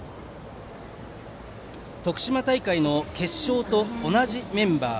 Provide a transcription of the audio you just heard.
徳島大会の決勝と同じメンバー